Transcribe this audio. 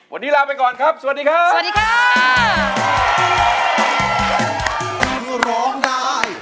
วันนี้ลาไปก่อนครับสวัสดีค่ะ